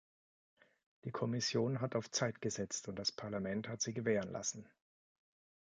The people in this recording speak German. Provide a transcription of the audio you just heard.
Die Kommission hat auf Zeit gesetzt, und das Parlament hat sie gewähren lassen.